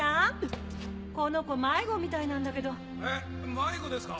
迷子ですか？